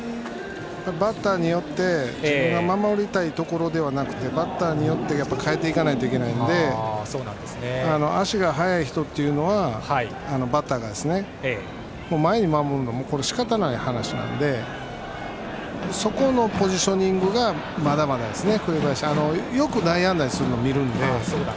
バッターによって自分が守りたいところではなくてバッターによって変えていかないといけないのでバッターが足が速い人だったら前に守るのはしかたのない話なのでそこのポジショニングがまだまだですね。